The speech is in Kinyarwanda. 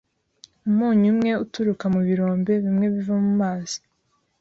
Umunyu umwe uturuka mu birombe, bimwe biva mu mazi.